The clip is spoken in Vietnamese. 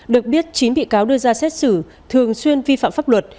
được biết chín bị cáo đưa ra xét xử thường xuyên vi phạm pháp luật